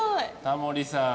タモリさん